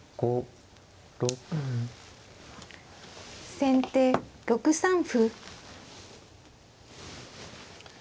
先手６三歩。